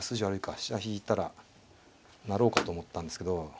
飛車引いたら成ろうかと思ったんですけど。